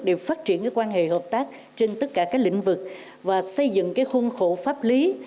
đều phát triển cái quan hệ hợp tác trên tất cả các lĩnh vực và xây dựng cái khung khổ pháp lý